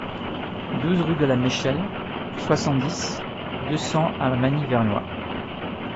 douze rue de la Mechelle, soixante-dix, deux cents à Magny-Vernois